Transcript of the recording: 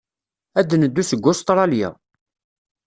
Ad neddu seg Ustṛalya.